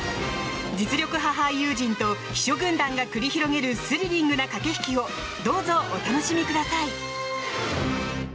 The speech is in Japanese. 実力派俳優陣と秘書軍団が繰り広げるスリリングな駆け引きをどうぞお楽しみください。